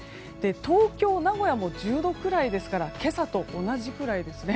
東京、名古屋も１０度くらいですから今朝と同じくらいですね。